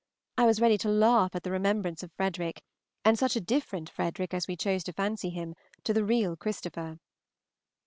I was ready to laugh at the remembrance of Frederick, and such a different Frederick as we chose to fancy him to the real Christopher!